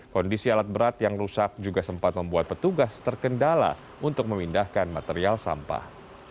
kondisi alat berat yang rusak juga sempat membuat petugas terkendala untuk memindahkan material sampah